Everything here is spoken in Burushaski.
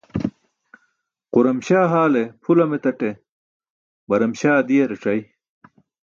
Quram śaa haale pʰu lam etaṭe, baram śaa diẏarac̣aya?